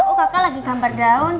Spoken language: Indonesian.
oh kakak lagi gambar daun